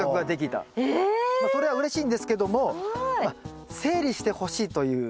それはうれしいんですけども整理してほしいというねお願いが。